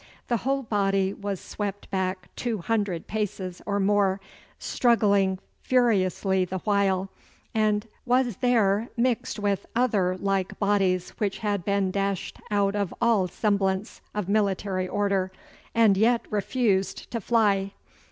The whole body was swept back two hundred paces or more, struggling furiously the while, and was there mixed with other like bodies which had been dashed out of all semblance of military order, and yet refused to fly.